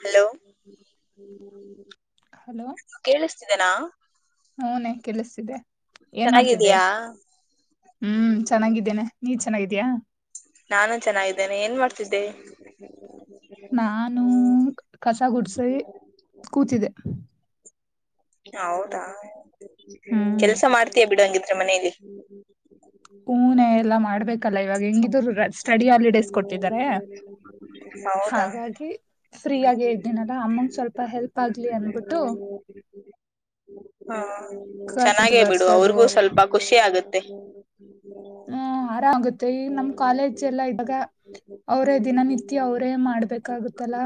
Hello hello ಕೇಳಿಸ್ತಿದೆನಾ ಹೂನೆ ಕೆಳಸ್ತಿದ್ದೆ ಏನ್ ಮಾಡ್ತಿದ್ದೆ ಚೆನ್ನಾಗಿದಯಾ ಹ್ಮ್ ಚೆನ್ನಾಗಿದ್ದೇನೆ ನೀ ಚೆನ್ನಾಗಿದ್ಯಾ ನಾನು ಚೆನ್ನಾಗಿದ್ದೇನೆ ಏನ್ ಮಾಡ್ತಿದ್ದೆ ನಾನು ಕಸ ಗುಡ್ಸಿ ಕೂತಿದೆೆ ಹೌದಾ ಹ್ಮ್ ಕೆಲ್ಸ ಮಾಡ್ತೀಯ ಬಿಡು ಹಂಗಿದ್ರೆ ಮನೇಲಿ ಹೂನೇ ಎಲ್ಲಾ ಮಾಡ್ಬೇಕಲ್ಲ ಇವಾಗ ಹೆಂಗಿದ್ರು ಸ್ಟಡಿ ಹಾಲಿಡೇಸ್ ಕೊಟ್ಟಿದ್ದಾರೆ ಹೌದಾ ಹಾಗಾಗಿ ಫ್ರೀ ಆಗಿ ಇದ್ದೀನಲ್ಲ ಅಮ್ಮಂಗ ಸ್ವಲ್ಪ ಹೆಲ್ಪ್ ಆಗ್ಲಿ ಅನ್ಬಿಟ್ಟು ಹ್ಮ ಕಸ ಚೆನ್ನಾಗೇ ಬಿಡು ವರ್ಸೋದು ಅವ್ರಿಗೂ ಸ್ವಲ್ಪ ಖುಷಿ ಆಗತ್ತೆ ಹ್ಮ ಆರಾಮಗುತ್ತೆ ಈಗ ನಮ್ ಕಾಲೇಜ್ ಎಲ್ಲಾ ಇದಾಗ ಅವರೇ ದಿನನಿತ್ಯ ಅವರೇ ಮಾಡ್ಬೇಕಾಗುತ್ತಲ್ಲಾ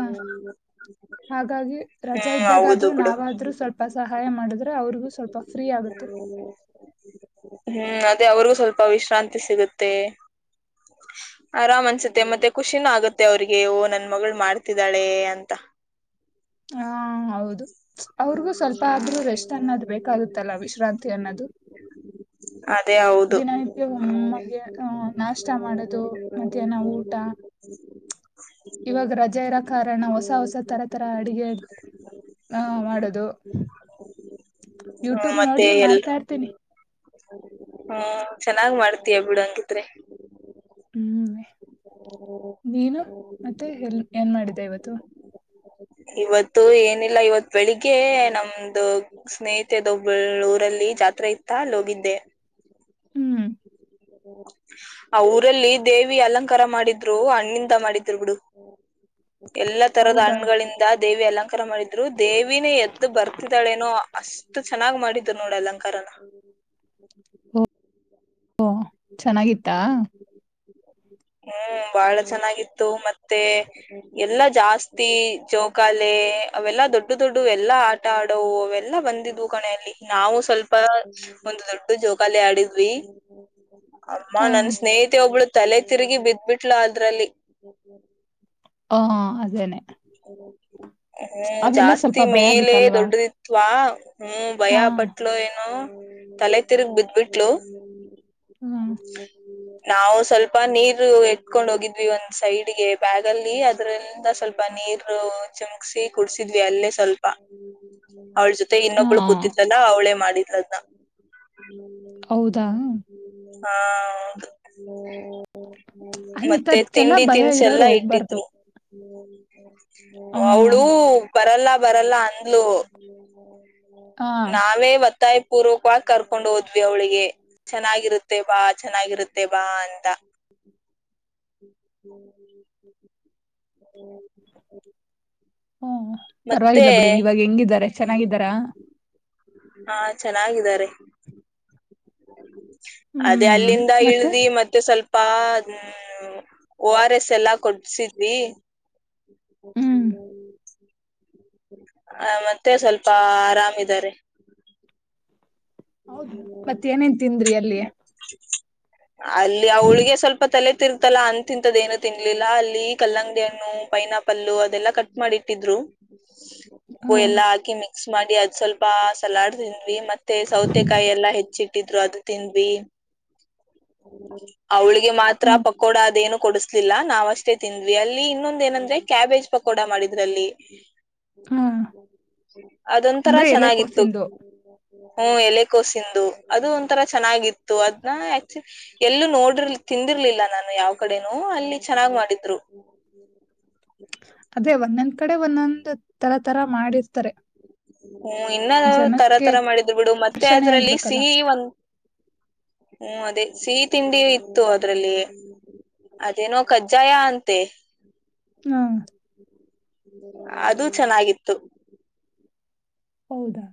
ಹಾಗಾಗಿ ರಜಾ ಹ್ಮ್ ಹೌದು ಇದ್ದಾಗಾದ್ರೂ ಬಿಡು ನಾವಾದ್ರೂ ಸ್ವಲ್ಪ ಸಹಾಯ ಮಾಡಿದ್ರೆ ಅವ್ರಿಗೂ ಸ್ವಲ್ಪ ಫ್ರೀ ಆಗುತ್ತೆ ಹ್ಮ ಹ್ಮ್ ಅದೇ ಅವ್ರಿಗೂ ಸ್ವಲ್ಪ ವಿಶ್ರಾಂತಿ ಸಿಗುತ್ತೆ ಆರಾಮ್ ಅನ್ಸತ್ತೆ ಮತ್ತೆ ಖುಷಿನ ಆಗತ್ತೆ ಅವ್ರಿಗೆೋ ನನ್ ಮಗಳು ಮಾಡ್ತಿದ್ದಾಳೆ ಅಂತ ಹಾ ಹೌದು ಅವ್ರಿಗೂ ಸ್ವಲ್ಪ ಹ್ಮ್ಮ ಆದ್ರೂ ಅನ್ನೋದು ಬೇಕಾಗುತ್ತಲ್ಲ ವಿಶ್ರಾಂತಿ ಅನ್ನೋದು ಅದೇ ಹೌದು ದಿನನಿತ್ಯ ಒಮ್ಮಗೆ ನಾಷ್ಟ ಮಾಡದು ಮಧ್ಯಾಹ್ನ ಊಟಾ ಇವಾಗ ರಜೆ ಇರ ಕಾರಣ ಹೊಸ ಹೊಸ ತರ ತರ ಅಡುಗೆ ಹ ಮಾಡದು ಹ್ಮ್ ಯೂಟ್ಯೂಬ್ ಮತ್ತೆ ನೋಡಿ ಎಲ್ರು ಮಾಡ್ತಾ ಇರ್ತೇನಿ ಹ್ಮ್ ಚೆನ್ನಾಗ್ ಮಾಡ್ತಯ ಬಿಡು ಹಂಗೀದ್ರೆ ಹ್ಮ್ ನೀನು ಮತ್ತೆ ಎಲ್ ಏನ್ ಮಾಡಿದ್ದೆ ಇವತ್ತು ಇವತ್ತು ಏನಿಲ್ಲ ಇವತ್ ಬೆಳಿಗ್ಗೆ ನಮ್ದು ಸ್ನೇಹಿತ ದೊಬ್ಬಳ ಊರಲ್ಲಿ ಜಾತ್ರೆ ಇತ್ತಲ್ಲಿ ಹೋಗಿದ್ದೆ ಹ್ಮ್ ಹ ಆ ಊರಲ್ಲಿ ದೇವಿ ಅಲಂಕಾರ ಮಾಡಿದ್ರು ಹಣ್ಣಿಂದ ಮಾಡಿದ್ರು ಬಿಡು ಎಲ್ಲಾ ತರದ ಹೌದಾ ಹಣ್ಣಗಳಿಂದ ದೇವಿ ಅಲಂಕಾರ ಮಾಡಿದ್ರು ದೇವಿನ ಎದ್ದು ಬರ್ತಿದ್ದಾಳೇನೋ ಅಷ್ಟ ಎಷ್ಟು ಚೆನ್ನಾಗ್ ಮಾಡಿದ್ರು ನೋಡಿ ಅಲಂಕಾರನ ಓ ಚೆನ್ನಾಗಿತ್ತಾ ಹ್ಮ್ ಬಾಳ ಚೆನ್ನಾಗಿತ್ತು ಮತ್ತೆ ಎಲ್ಲಾ ಜಾಸ್ತಿ ಜೋಕಾಲೆ ಅವೆಲ್ಲಾ ದೊಡ್ಡ ದೊಡ್ಡು ಎಲ್ಲಾ ಆ ಆಟಾ ಆಡೋ ಅವೆಲ್ಲಾ ಬಂದಿದ್ದವು ಕಣೆಯಲ್ಲಿ ನಾವು ಸ್ವಲ್ಪ ಒಂದು ದೊಡ್ಡ ಜೋಕಾಲಿ ಆಡಿದ್ವಿ ಅಮ್ಮ ಆ ನನ್ ಸ್ನೇಹಿತೆ ಒಬ್ಳು ತಲೆ ತಿರುಗಿ ಬಿದಬಿಟ್ಲ ಅದ್ರಲ್ಲಿ ಓ ಅದೇನೇ. [inaudible] ಹ್ಮ್ ಸ್ವಲ್ಪ ಜಾಸ್ತಿ ಭಯ ಮೇಲೆ ಆಗುತ್ತಲ್ವಾ ದೊಡ್ಡದಿತ್ವಾ ಹ್ಮ್ ಭಯ ಹಾ ಬಟ್ [unintelligible] ಏನೋ ತಲೆ ತಿರ್ಗ್ ಬಿದ ಬಿಟ್ಲು. ಹ್ಮ್ ನಾವು ಸ್ವಲ್ಪ ನೀರು ಎಟ್ಕೊಂಡ್ ಹೋಗಿದ್ವಿ ಒಂದ್ ಸೈಡ್ಗೆ ಬ್ಯಾಗ್ ಅಲ್ಲಿ ಅದ್ರಿಂದ ಸ್ವಲ್ಪ ಪನೀರ್ ಚುಂಕ್ಸಿ ಕುಡಸಿದ್ವಿ ಅಲ್ಲೇ ಸ್ವಲ್ಪ ಅವಳ ಜೊ ತ್ತೆ ಹಾ ಇನ್ನೊಬ್ಳು ಕೂತಿದ್ದಲ್ಲ ಅವಳೇ ಮಾಡಿದದನ್ನ. ಹೌದಾ. ಹ ಹೌದು ಹ್ಮ್. [inaudible] ಮತ್ತೆ ಅಂತದ್ಕೆಲ್ಲ ತಿಂಡಿ ಭಯ ತನ್ಸ ಇರೋರು ಎಲ್ಲಾ ಹೋಗ್ಬಾರ್ದು ಇಟ್ಟಿದ್ರು. ಹ್ಮ್ ಅವಳು ಬರಲ್ಲ ಬರಲ್ಲ ಅಂದ್ಲು. ಹಾ ನಾವೇ ಒತ್ತಾಯ ಪೂರ್ವಕವಾಗಿ ಕರ್ಕೊಂಡು ಹೋದ್ವಿ ಅವಳಿಗೆ. ಚೆನ್ನಾಗಿರುತ್ತೆ ಬಾ ಚೆನ್ನಾಗಿರುತ್ತೆ ಬಾ ಅಂತ. [inaudible] ಹ್ಮ ಮತ್ತೆ ಪರವಾಗಿಲ್ಲ ಬಿಡಿ ಇವಾಗ ಹೆಂಗಿದಿದ್ದಾರೆ ಚೆನ್ನಾಗಿದ್ದಾರಾ. ಹಾ ಚೆನ್ನಾಗಿದ್ದಾರೆ. ಅದೇ ಹ್ಮ್ ಅಲ್ಲಿಂದ ಮತ್ತೆ ಇಳ್ದಿ ಮತ್ ಮತ್ತೆ ಸ್ವಲ್ಪ ಹ ಓ ಆರ್ ಎಸ್ ಎಲ್ಲ ಕೊಡ್ಸಿದ್ವಿ. ಹ್ಮ್ [inaudible] ಹ ಮತ್ತೆ ಸ್ವಲ್ಪ ಆರಾಮ್ ಇದಾರೆ. ಹೌದ ಮತ್ತತ್ ಏನೇನ್ ತಿಂದ್ರಿ ಅಲ್ಲಿ. [inaudible] ಅಲ್ಲಿ ಅವಳಿಗೆ ಸ್ವಲ್ಪ ತಲೆ ತಿರ್ತಲ್ಲಾ ಅಂತಂತದ ಏನು ತಿನ್ಲಿಲ್ಲ ಅಲ್ಲಿ ಕಲ್ಲಂಗಡಿ ಹಣ್ಣು ಪೈನಾ ಪಲ್ಲು ಅದೆಲ್ಲಾ ಕಟ್ ಮಾಡಿ ಇಟ್ಟಿದ್ರು. ಉ ಹ್ಮ್ ಎಲ್ಲಾ ಹಾಕಿ ಮಿಕ್ಸ್ ಮಾಡಿ ಅದ್ ಸ್ವಲ್ಪ ಸಲಾಡ್ ತಿಂದ್ವಿ ಮತ್ತೆ ಸೌತ್ ತೆಕಾಯಿ ಎಲ್ಲಾ ಹೆಚ್ಚಿಟ್ಟಿದ್ರು ಅದು ತಿಂದ್ವಿ. [inaudible] ಅವ್ಳಿಗೆ ಮಾತ್ರ ಹ್ಮ್ ಪಕೋಡ ಅದೇನು ಕೊಡಸ್ ಲಿಲ್ಲ ನಾವ್ಷ್ಟೇ ತಿಂದ್ವಿ ಅಲ್ಲಿ ಇನ್ನೊಂದ ಏನಂದ್ರೆ ಕ್ಯಾಬೇಜ್ ಪಕೋಡಾ ಮಾಡಿದ್ರಲ್ಲಿ. ಹ್ಮ್ ಅದೊಂತರ ಅಂದ್ರೆ ಚೆನ್ನಾಗಿತ್ತು ಎಲೆಕೋಸಿಂದು ಹ್ಮ ಎಲೆ ಕೋಸಂದು ಅದು ಒಂಂತರ ಚೆನ್ನಾಗಿತ್ತು ಅದ್ನ್ನ ಆಕ್ಚು ಎಲ್ಲೂ ನೋಡಿರ್ ತಿಂದಿರ್ಲಿಲ್ಲ ನಾನು ಯಾವ್ ಕಡೆನೂ ಅಲ್ಲಿ ಚೆನ್ನಾಗ್ ಮಾಡಿದ್ರು. ಅದೇ ಒಂದೊಂದ್ ಕಡೆ ಒಂದೊಂದ್ ತರ ತರ ಮಾಡಿರ್ತಾರೆ. ಹ್ಮ್ ಇನ್ನ ತರಾ ಜನಕ್ಕೆ ತರ ಮಾಡಿದ್ ಬಿಡು ಮತ್ತೆ ಆಕರ್ಷಣೆ ಅದ್ರಲ್ಲಿ ಆಗ್ಬೇಕಲ್ಲ ಸಿಹಿ ಒಂದ ಹ್ಮ್ ಅದೇ ಸಿಹಿ ತಿಂಡಿ ಇತ್ತು ಅದ್ರಲ್ಲಿ. ಅದೇನೋ ಕಜ್ಜಾಯ ಅಂತೆ. ಹಾ. ಅದುೂ ಚೆನ್ನಾಗಿತ್ತು. ಹೌದಾ.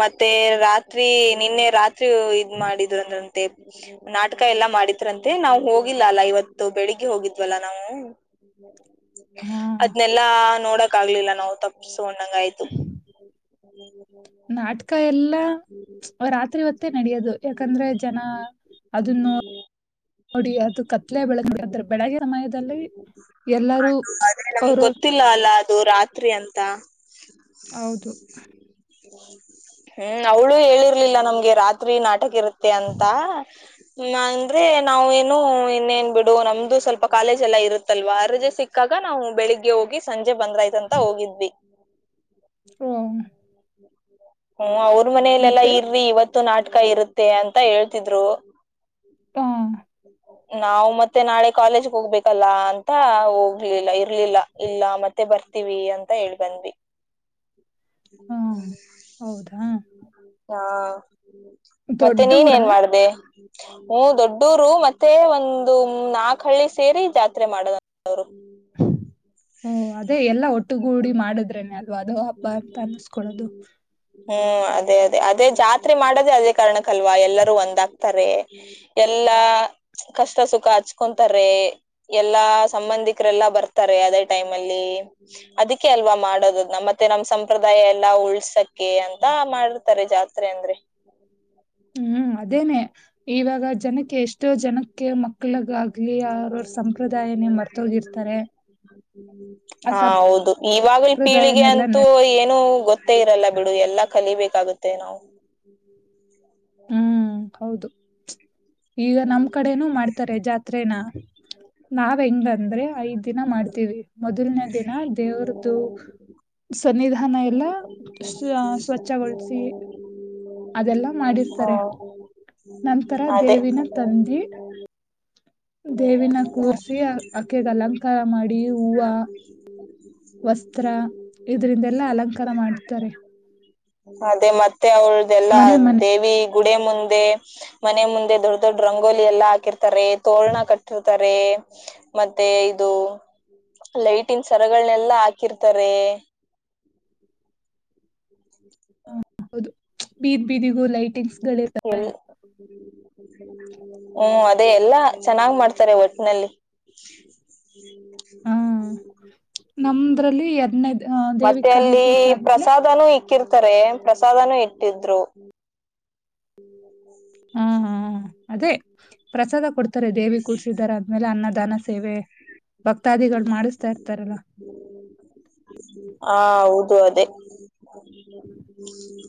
ಮತ್ತೆ ರಾತ್ರಿ ನಿನ್ನೆ ರಾತ್ರಿ ಇದ್ ಮಾಡಿದ್ರು ಅಂದ್ರಂತೆ ನಾಟಕ ಎಲ್ಲಾ ಮಾಡಿದ್ರಂತೆ ನಾವ ಹೋಗಿಲ್ಲ ಅಲ್ಲಾ ಇವತ್ತು ಬೆಳಿಗ್ಗೆ ಹೋಗಿದ್ವಲ್ಲಾ ನಾವು. ಹಾ ಅದನೆಲ್ಲಾ ನೋಡಕ್ ಆಗ್ಲಿಲ್ಲ ನಾವು ತಪ್ಸಣ್ಣಂಗ ಆಯ್ತು. [inaudible] ನಾಟಕ ಎಲ್ಲಾ. ರಾತ್ರಿ ಹೊತ್ತೇ ನಡಿಯೋದು ಯಾಕಂದ್ರೆ ಜನ ಅದನ್ನು ನೋಡಿ ಅದು ಕತ್ಲೆ ಬೆಳೆಗ್ [inaudible] ಬೆಳಗ್ಗೆ ಸಮಯದಲ್ಲಿ ಎಲ್ಲಾರೂ ಅವರ ಅವರ. ಇಲ್ಲ ಅಲ್ಲ ಅದು ರಾತ್ರಿ ಅಂತ. ಹೌದು ಹ್ಮ್ ಅವಳು ಹೇಳಿರ್ಲಿಲ್ಲ ನಮ್ಗೆ ರಾತ್ರಿ ನಾಟಕ ಇರತ್ತ್ [unintelligible] ತ್ತೆ ಅಂತ. [unintelligible] ಲ್ಲ ಅಂದ್ರೆ ನಾವು ಏನು ಇನ್ನೇನ್ ಬಿಡು ನಮ್ದು ಸ್ವಲ್ಪ ಕಾಲೇಜ್ ಎಲ್ಲಾ ಇರು [unintelligible] ತಲ್ವಾರ ರಜೆ ಸಿಕ್ಕಾಗ ನಾವು ಬೆಳಿಗ್ಗೆ ಹೋಗಿ ಸಂಜೆ ಬಂದ್ರಾಯ್ತಂತ ಹೋಗಿದ್ವಿ. ಹ್ಮ ಹ್ಮ ಅವ್ರ ಮನೇಲೆಲ್ಲಾ ಮತ್ತೆ ಇರ್ರಿ ಇವತ್ತು ನಾಟಕ ಇರುತ್ತೆ ಅಂತ ಹೇಳ್ತಿದ್ರು. ಹಾ ನಾವು ಮತ್ತೆ ನಾಳೆ ಕಾಲೇಜ್ಗೆ ಹೋಗ್ಬೇಕಲ್ಲ ಅಂತ ಹೋಗ್ಲಿಲ್ಲ ಇರ್ಲಿಲ್ಲ. ಇಲ್ಲ ಮತ್ತೆ ಬರ್ತೀವಿ ಅಂತ ಹೇಳ್ಬಂದ್ವಿ. ಹಾ ಹೌದಾ ಹಾ ಮತ್ತೆ ದೊಡ್ಡ ನೀನ್ ಏನ್ ಊರಾ ಮಾಡ್ದ ಹ್ಮ ದೊಡ್ಡ್ [unintelligible] ರು ಮತ್ತೆ ಒಂದು ನಾಕ್ ಹಳ್ಳಿ ಸೇರಿ ಜಾತ್ರೆ ಮಾಡದಂತೆ ಅವರು. ಹು ಅದೇ ಎಲ್ಲ ಒಟ್ಟುಗೂಡಿ ಮಾಡುದ್ರೇನೆ ಅಲ್ವಾ ಅದ್ ಹಬ್ಬಾ ಅಂತ ಅನ್ನಸ್ಕೊಳ್ಳೋದು. ಹ್ಮ್ ಅದೇ ಅದೇ ಅದೇ ಜಾತ್ರೆ ಮಾಡದೇ ಅದೇ ಕಾರಣಕ್ಕಲ್ವಾ ಎಲ್ಲರೂ ಒಂದಾಗ್ತಾರೆ. ಎಲ್ಲಾ ಕಷ್ಟ ಸುಖ ಹಚ್ಕೊಂತಾರೆ. ಎಲ್ಲಾ ಸಂಬಂಧಿಕರೆಲ್ಲಾ ಬರ್ತಾರೆ ಅದೇ ಟೈಮ್ಮಲ್ಲೀ. ಅದಕ್ಕೆ ಅಲ್ವಾ ಮಾಡೋದು ನಮ್ಮ್ ಮತ್ತೆ ನಮ್ ಸಂಪ್ರದಾಯ ಎಲ್ಲಾ ಉಳ್ಸಕ್ಕೆ ಅಂತ ಮಾಡರ್ತಾರೆ ಜಾತ್ರೆ ಅಂದ್ರೆ. ಹ್ಮ್ ಅದೇನೇ ಇವಾಗ ಜನಕ್ಕೆ ಎಷ್ಟೋ ಜನ [unintelligible] ಕೆ ಮಕ್ಳಗಾಗಲಿ ಅವ್ರವ್ರ ಸಂಪ್ರದಾಯನೇ ಮರ್ತೋಗಿರ್ತಾರೆ. [unintelligible] ಆ ಹ ಹೌದು ಇವಾಗಿನ್ ಪೀಳಿಗೆ ಸಂಪ್ರದಾಯನೆಲ್ಲ ಅಂತೂ ನೆನ್ ಏನು ಗೊತ್ತ್ [unintelligible] ತ್ತೇ ಇರಲ್ಲ ಬಿಡು ಎಲ್ಲಾ ಕಲಿಬೇಕಾಗುತ್ತೆ ನಾವು. ಹ್ಮ್ ಹೌದು ಈಗ ನಮ್ ಕಡೆನೂ ಮಾಡ್ತಾರೆ ಜಾತ್ [unintelligible] ರೇನಾ ನಾವ್ ಹೆಂಗ್ ಅಂದ್ರೆ ಐದ್ ದಿನ ಮಾಡ್ತೀವಿ. ಮೊದಲನೇ ದಿನ ದೇವ್ರ್ದು. ಸನ್ನಿಧಾನ ಎಲ್ಲ ಸ್ ಸ್ವಚ್ಛಗೊಳಿಸಿ ಅದೆಲ್ಲಾ ಮಾಡಿರ್ತ ಹ್ಮ್ ನಂತರ ಅದೇ ದೇವಿನ ತಂದಿ. ದೇವಿನ ಕೂರ್ಸಿ ಆಕೆಗೆ ಅಲಂಕಾರ ಮಾಡಿ ಹೂವ. [inaudible] ವಸ್ತ್ರ ಇದರಿಂದೆಲ್ಲಾ ಅಲಂಕಾರ ಮಾಡಿರ್ತಾರೆ. ಅದೇ ಮತ್ತೆ ಅವಳ್ದಲ್ಲಾ ಮನೆ ಮನೆ ದೇವಿ. ಗುಡಿ ಮುಂದೆ ಮನೆ ಮುಂದೆ ದೊಡ್ಡ್ ದೊಡ್ಡ್ ರಂಗೋಲಿ ಎಲ್ಲಾ ಹಾಕಿರ್ತಾರೆ ತೋರಣ ಕಟ್ಟಿರ್ತಾರ್ ರೇ ಮತ್ತೆ ಇದು. ಲೈಟಿಂಗ್ಸ್ ಸರಗಳನೆಲ್ಲಾ ಹಾಕಿರ್ತಾರೆ. ಹ ಹೌದು ಬೀದ್ ಬೀದಿಗೂ ಲೈಟ್. ಎಲ್ ಹ್ಮ್ ಅದೇ ಎಲ್ಲಾ ಚೆನ್ನಾಗ್ ಮಾಡ್ತಾರೆ ಒಟ್ನಲ್ಲಿ. [inaudible] [inaudible] ಹಾ ನಮ್ದ್ರಲ್ಲಿ ಎದ್ ನದ್ ಮತ್ತೆ ಅಲ್ಲಿ ಪ್ರಸಾದನೂ ಇಕ್ಕಿರ್ತಾರೆ ಪ್ರಸಾದನೂ ಇಟ್ಟಿದ್ರು. ಹಾ ಹಾ ಅದೇ ಪ್ರಸಾದ ಕೊಡ್ತಾರೆ ದೇವಿ ಕೂರ್ಸಿದಾರ ಅಂತ. ಆಮೇಲೆ ಅನ್ನದಾನ ಸೇವೆ ಭಕ್ತಾದಿಗಳು ಮಾಡಿಸ್ತಾ ಇರ್ತಾರಲ್ಲಾ. ಆ ಹೌದು ಅದೆ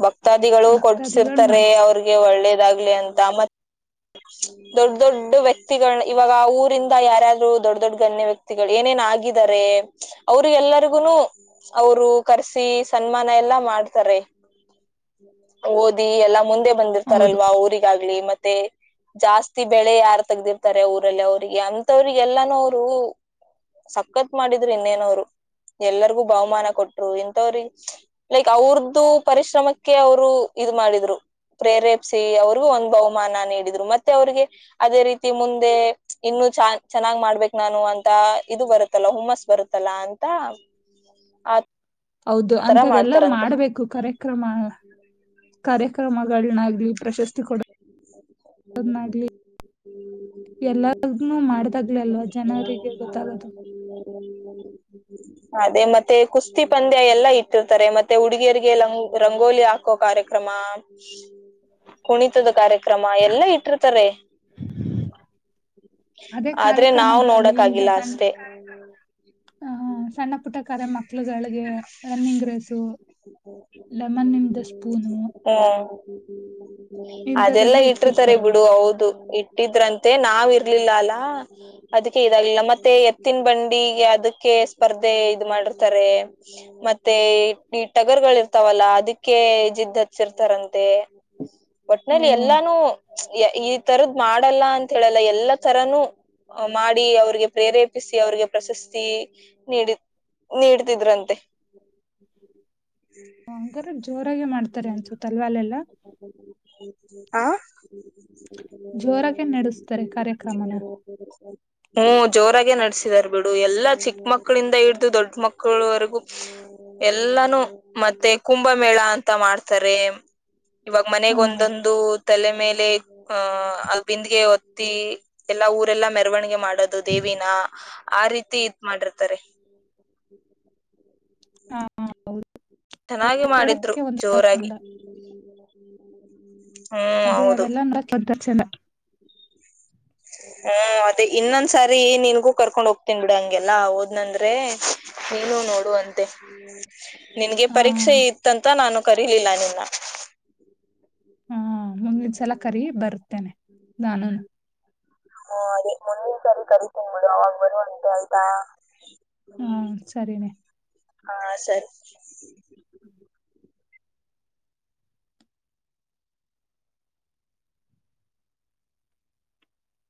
ಬಕ್ ಕ್ತಾದಿಗಳು ಭಕ್ತಾದಿಗಳ್ ಕೊಟ್ಟಸಿರ್ತಾರೆ ಮಾಡ್ಸ್ ಅವ್ರಿಗೆ ಒಳ್ಳೇದಾಗ್ಲಿ ಅಂತ ಮತ್ತ ದೊಡ್ಡ ದೊಡ್ಡ ವ್ಯಕ್ತಿಗಳನ ಇವಾಗಾ ಊರಿಂದ ಯಾರಾರು ದೊಡ್ಡ ದೊಡ್ಡ ಗಣ್ಯ ವ್ಯಕ್. ಕ್ತಿಗಳ ಏನೇನ ಆಗಿದ್ದಾರೆ ಅವ್ರ ಎಲ್ಲರಿಗುನು. ಅವರು ಕರ್ಸಿ ಸನ್ಮಾನಾ ಎಲ್ಲಾ ಮಾಡ್ತಾರೆ. ಓದಿ ಎಲ್ಲಾ ಮುಂದೆ ಹೌದು. ಬಂದಿರ್ತಾರಲ್ವಾ ಊರಿಗಾಗ್ಲಿ ಮತ್ತೆ. ಜಾಸ್ತಿ ಬೆಳೆ ಯಾರ್ ತೆಗ್ದಿರ್ತಾರೆ ಊರಲ್ಲಿ ಅವ್ರಿಗೆ ಅಂತವ್ರಿಗೆಲ್ಲಾನೂ ಅವರು. ಸಕ್ಕತ್ ಮಾಡಿದ್ರು ಇನ್ನೇನವರು ಎಲ್ಲರಿಗೂ ಬಹುಮಾನ ಕೊಟ್ರು ಇಥವ್ರಿ. ಲೈಕ್ ಅವ್ರ್ದು ಪರಿಶ್ರಮಕ್ಕೆ ಅವರು ಇದು ಮಾಡಿದ್ರು. ಪ್ರೇರೇಪಿಸಿ ಅವ್ರಿಗೂ ಒಂದ್ ಬಹುಮಾನ ನೀಡಿದ್ರು ಮತ್ತೆ ಅವ್ರಿಗೆ. ಅದೇ ರೀತಿ ಮುಂದೆ ಇನ್ನು ಚಾ ಚೆನ್ನಾಗ ಮಾಡ್ಬೇಕ ನಾನು ಅಂತ. ತ್ತಾ ಇದು ಬರುತ್ತಲ್ಲ ಹುಮ್ಮಸ್ ಬರುತ್ತಲ್ಲಾ ಅಂತ ಆದ ಹೌದು ಅಂತದೆಲ್ಲಾ ಮಾಡ್ಬೇಕು ಕರೆ. ಕ್ರಮಾ ಕಾರ್ಯಕ್ರಮಗಳನ್ನಾಗ್ಲಿ ಪ್ರಶಸ್ತಿ ಕೊಡ ಕೊಡೋದ್ನಾಗ್ಲಿ ಎಲ್ಲಾನ್ನು ಮಾಡ. ದ್ಲಾಗಲೇಆಲ್ವಾ ಜನರಿಗೆ ಗೊತ್ತಾಗೋದು. ಟಿವು ಟಿವು ಅದೇ ಮತ್ತೆ ಕುಸ್ತಿ ಪಂದ್ಯ ಎಲ್ಲಾ ಇಟ್ಟಿರ್ತಾರೆ ಮತ್ತೆ ಹುಡುಗಿಯರಿಗೆ ಲಂಗ ರಂಗೋಲಿ ಹಾಕೋ ಕಾರ್ಯಕ್ರಮಾ. ಕುಣಿತದ ಕಾರ್ಯಕ್ರಮ ಎಲ್ಲಾ ಇಟ್ಟಿರ್ತಾರೆ. [inaudible] ಅದೇ ಕಾರ್ಯಕ್ರಮಗಳಲ್ಲಿ ಈಗ ಸಣ್ಣ. ಸ್ನೇಹಿತರಲ್ಲಿ. ಆ ಹಾ ಸಣ್ಣ ಪುಟ್ಟ ಕರೆ ಮಕ್ಳುಗಳಿಗೆ ರನ್ನಿಂಗ್ ರೇಸು. ಲೆಮನ್ ಇಂದ ಸ್ಪೂನು. ಹು ಅದೆಲ್ಲಾ ಇಂತದೆಲ್ಲಾ ಇಟ್ಟಿರ್ತಾರೆ ಇಕ್ಕಿರ್ತಾರಲ್ಲ ಬಿಡು ಹೌದು. ಇಟ್ ಟ್ಟಿದ್ರಂತೆ ನಾವ ಇರ್ಲಿಲ್ಲಾ ಅಲ್ಲಾ. ಅದಕ್ಕೆ ಇದಾಗಿಲ್ಲಾ ಮತ್ತೆ ಎತ್ತಿನ ಬಂಡಿಗೆ ಅದಕ್ಕೆ ಸ್ಪರ್ಧೆ ಇದ ಮಾಡಿರ್ತಾರೆ. ಮತ್ತೆ ಇಟ್. ಟಗರಗಳು ಇರ್ತಾವಲ್ಲಾ ಅದಕ್ಕೆ ಜಿದ್ದ ಹಚ್ಚಿರ್ತಾರಂತೆ. ಓ ಒಟ್ನಲ್ಲಿ ಎಲ್ಲಾನು ಯ ಈ ತರದ ಮಾಡಲ್ಲಾ ಅಂತ ಹೇಳಲ್ಲಾ ಎಲ್ಲಾ ತರಾನೂ. ಮಾಡಿ ಅವ್ರಿಗೆ ಪ್ರೇರೇಪಿಸಿ ಅವ್ರಿಗೆ ಪ್ರಶಸ್ತಿ ನೀಡಿ. ನೀಡ್ತಿದ್ರಂತೆ. ಹು ಹಂಗಾರೆ ಜೋರಾಗೆ ಮಾಡ್ತಾರೆ ಅನಸುತ್ತೆ ತಲ್ವಾಲೆಲ್ಲಾ. ಆ ಜೋರಾಗೆನಡೆಸ್ತಾರೆ ಕಾರ್ಯಕ್ರಮನ. ನೋಡಲ್ಸ್ ಬಂತ್. ಹು ಜೋರಾಗೆ ನಡ್ಸಿದಾರ ಬಿಡು ಎಲ್ಲಾ ಚಿಕ್ಕ ಮಕ್ಕಳಿಂದ ಹಿಡ್ದು ದೊಡ್ಡ ಮಕ್ಕಳವರೆಗೂ. ಎಲ್ಲಾನೂ ಮತ್ತೆ ಕುಂಭಮೇಳ ಅಂತಾ ಮಾಡ್ತಾರೆ. ಇವಾಗ ಹಾ ಮನೆಗೆ ಒಂದೊಂದು ತಲೆ ಮೇಲೆ ಅ ಬಿಂದ್ಗೆ ಹೊತ್ತಿ. ಎಲ್ಲಾ ಊರೆಲ್ಲಾ ಮೆರವಣಿಗೆ ಮಾಡೋದು ದೇವಿನಾ ಆ ರೀತಿ ಇದ ಮಾಡಿರ್ತಾರೆ. ಹಾ ಹೌದು ತನ್ನಾಗೆ ಮಾಡಿದ್ರು ನೋಡಕ್ಕೆ ಒಂಥರಾ ಜೋರಾಗಿ. ಚಂದ ಹ್ಮ್ ಅದೇ ಹೌದು ಅವೆಲ್ಲಾ ನೋಡಾಕ ಬಟ್ ಹಚ್ಚಲ್ಲಾ. ಅ ಅದೇ ಇನ್ನೊಂದ್ಸಾರಿ ನಿನ್ಗೂ ಕರ್ಕೊಂಡ್ ಹೋಗ್ತೀನ್ ಬಿಡ ಹಂಗೆಲ್ಲಾ ಹೋದ್ನಂದ್ರೆ. ನೀನು ನೋಡುವಂತೆ ಹ್ಮು ನಿನ್ಗೆ ಹಾ. ಪರೀಕ್ಷೆ ಇತ್ತಂತ ನಾನು ಕರಿಲಿಲ್ಲ ನಿನ್ನ. ಹಾ ಮುಂದಿಂದ್ಸಲ ಕರಿ ಬರುತ್ತೇನೆ ನಾನುನು. ಹರೀ ಮುಂದಿನ್ ಸರಿ ಕರಿತಿನಿ ಬಿಡು ಅವಾಗ ಬರುವ ಅಂತೆ ಆಯ್ತಾ. ಹ್ಮು ಹಾ ಸರಿನೆ. ಹಾ ಸರಿ.